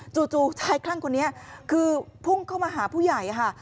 ชายคลั่งคนนี้คือพุ่งเข้ามาหาผู้ใหญ่ค่ะ